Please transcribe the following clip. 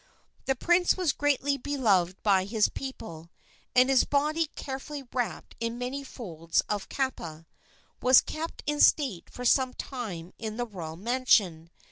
The prince was greatly beloved by his people, and his body, carefully wrapped in many folds of kapa, was kept in state for some time in the royal mansion.